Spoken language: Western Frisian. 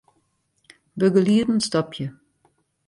Begelieden stopje.